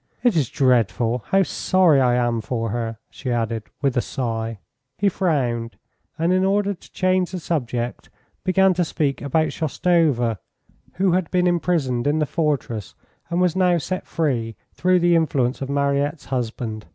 "It is dreadful. How sorry I am for her," she added with a sigh. He frowned, and in order to change the subject began to speak about Shoustova, who had been imprisoned in the fortress and was now set free through the influence of Mariette's husband.